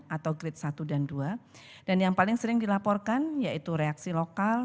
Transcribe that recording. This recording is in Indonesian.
atau grade satu dan dua dan yang paling sering dilaporkan yaitu reaksi lokal